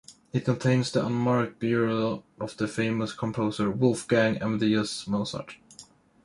It contains the unmarked burial of the famous composer Wolfgang Amadeus Mozart.